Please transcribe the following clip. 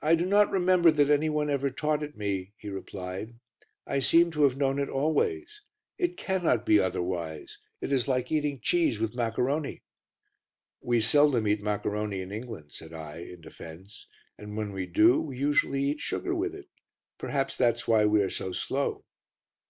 "I do not remember that any one ever taught it me," he replied; "I seem to have known it always. It cannot be otherwise. It is like eating cheese with maccaroni." "We seldom eat maccaroni in England," said I, in defence, "and when we do we usually eat sugar with it; perhaps that is why we are so slow."